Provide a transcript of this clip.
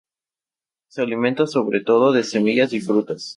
Se alimenta sobre todo de semillas, y frutas.